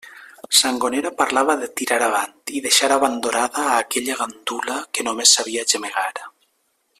Sangonera parlava de tirar avant i deixar abandonada a aquella gandula que només sabia gemegar.